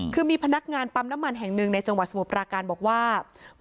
คือมีพนักงานปั๊มน้ำมันแห่งหนึ่งในจังหวัดสมุทรปราการบอกว่า